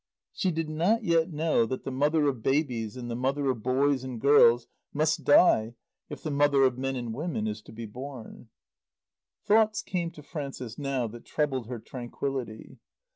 She did not yet know that the mother of babies and the mother of boys and girls must die if the mother of men and women is to be born. Thoughts came to Frances now that troubled her tranquillity.